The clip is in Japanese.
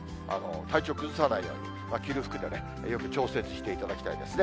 体調崩さないように、着る服でね、調節していただきたいですね。